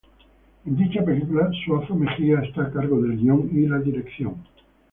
En dicha película, Suazo Mejía está a cargo del guión y la dirección.